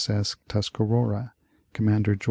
S. S. Tuscarora, Commander Geo.